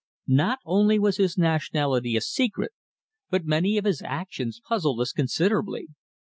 Not only was his nationality a secret, but many of his actions puzzled us considerably.